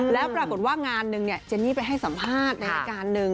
แล้วปรากฏว่างานหนึ่งเจนนี่ไปให้สัมภาษณ์ในรายการหนึ่ง